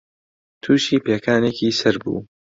تووشی پێکانێکی سەر بوو